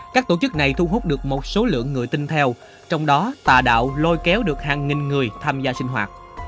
các tổ chức này thu hút được một số lượng người tin theo trong đó tà đạo lôi kéo được hàng nghìn người tham gia sinh hoạt